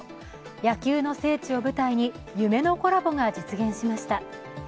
野球の聖地を舞台に夢のコラボが実現しました。